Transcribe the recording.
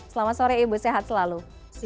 selamat sore ibu sehat selalu